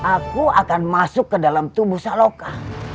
aku akan masuk ke dalam tubuh saloka